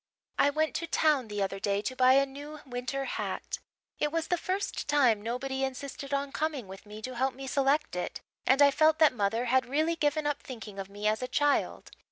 "I went to town the other day to buy a new winter hat. It was the first time nobody insisted on coming with me to help me select it, and I felt that mother had really given up thinking of me as a child.